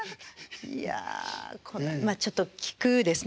いやまあちょっと菊ですね。